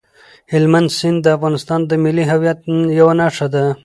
هلمند سیند د افغانستان د ملي هویت یوه نښه ده.